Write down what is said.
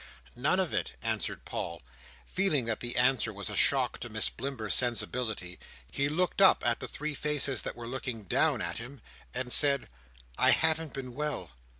"None of it," answered Paul. Feeling that the answer was a shock to Miss Blimber's sensibility, he looked up at the three faces that were looking down at him, and said: "I haven't been well.